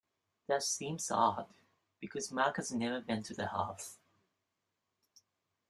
That seems odd because Mark has never been to the house.